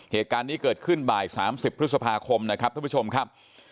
เหตุการณ์นี้เกิดขึ้นบ่าย๓๐พฤษภาคมนะครับท่านผู้ชมครับ